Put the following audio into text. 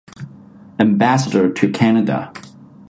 Ambassador to Canada.